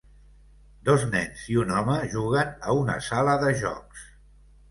Dos nens i un home juguen a una sala de jocs.